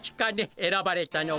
えらばれたのは。